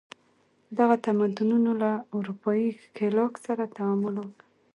دغه تمدنونو له اروپايي ښکېلاک سره تعامل وکړ.